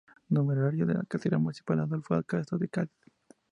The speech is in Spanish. Numerario de la Cátedra Municipal Adolfo de Castro de Cádiz.